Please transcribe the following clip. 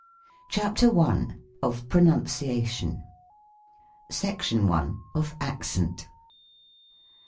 CHAPTER L OF PRONUNCIATION. SECTION I. OF ACCENT.